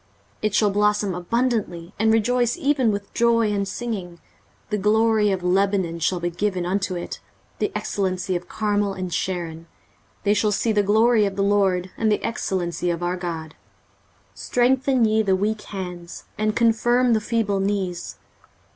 23:035:002 It shall blossom abundantly, and rejoice even with joy and singing: the glory of Lebanon shall be given unto it, the excellency of Carmel and Sharon, they shall see the glory of the LORD, and the excellency of our God. 23:035:003 Strengthen ye the weak hands, and confirm the feeble knees.